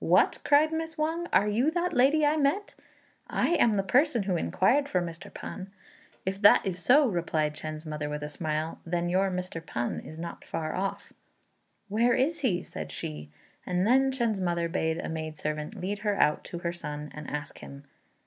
"What!" cried Miss Wang, "are you that lady I met? I am the person who inquired for Mr. P'an." "If that is so," replied Chên's mother with a smile, "then your Mr. P'an is not far off." "Where is he?" said she; and then Chên's mother bade a maid servant lead her out to her son and ask him.